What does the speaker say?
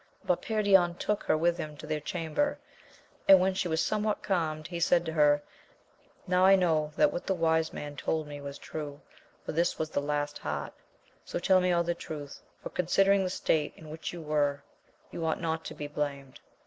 But Perion took her with him to their chamber ; and, when she was somewhat calmed, he said to her, Now I know that what the wise men told me was true, for this was *the last heart : so tell me all the truth, for, considering the state in which you were, you ought not to be blamed.